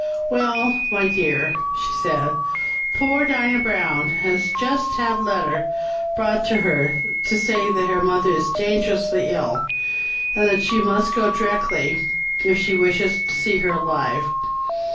"Well, my dear," she said, "poor Dinah Brown has just had a letter brought to say that her mother is dangerously ill, and that she must go directly if she wishes to see her alive.